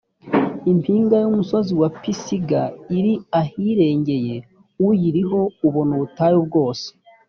impinga y’umusozi wa pisiga iri ahirengeye, uyiriho abona ubutayu bwose.